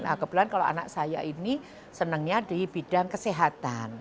nah kebetulan kalau anak saya ini senangnya di bidang kesehatan